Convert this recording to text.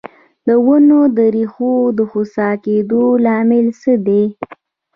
د ونو د ریښو د خوسا کیدو لامل څه دی؟